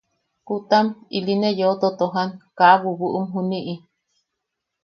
Kutam ili ne yeu totojan kaa bubuʼum juniʼi.